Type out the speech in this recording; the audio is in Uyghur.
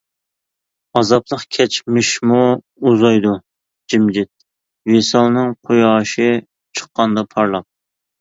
ئازابلىق كەچمىشمۇ ئۇزايدۇ جىمجىت، ۋىسالنىڭ قۇياشى چىققاندا پارلاپ.